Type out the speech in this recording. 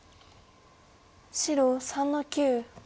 白３の九。